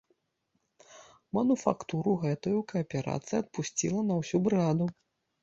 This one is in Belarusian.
Мануфактуру гэтую кааперацыя адпусціла на ўсю брыгаду.